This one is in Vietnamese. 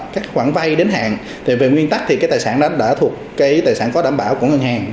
các khoản vay đến hạn thì về nguyên tắc thì cái tài sản đó đã thuộc cái tài sản có đảm bảo của ngân hàng